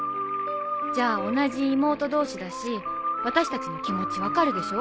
じゃあ同じ妹同士だし私たちの気持ち分かるでしょ？